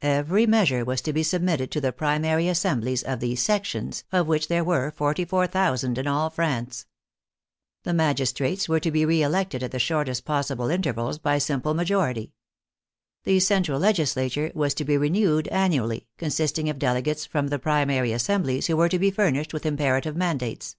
Every measure was to be submitted to the primary as semblies of the " sections," of which there were forty four thousand in all France. The magistrates were to be reelected at the shortest possible intervals by simple ma jority. The central legislature was to Be renewed an nually, consisting of delegates from the primary assem blies, who were to be furnished with imperative mandates.